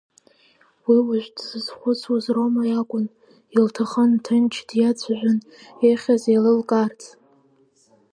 Уи уажә дзызхәыцуаз Рома иакәын, илҭахын, ҭынч диацәажәан, ихьыз еилылкаарц.